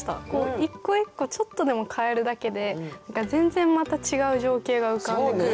一個一個ちょっとでも変えるだけで全然また違う情景が浮かんでくるから面白いなと。